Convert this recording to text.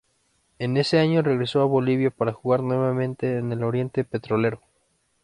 En ese año regresó a Bolivia para jugar nuevamente en el Oriente Petrolero.